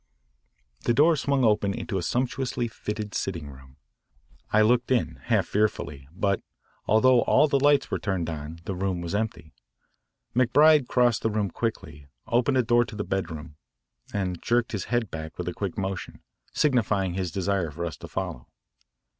The door swung open into a sumptuously fitted sitting room. I looked in, half fearfully, but, although all the lights were turned on, the room was empty. McBride crossed the room quickly, opened a door to a bedroom, and jerked his head back with a quick motion, signifying his desire for us to follow.